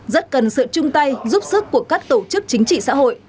rất cần sự chung tay giúp sức của các tổ chức chính trị xã hội